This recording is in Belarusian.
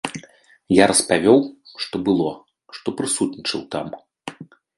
Я распавёў, што было, што прысутнічаў там.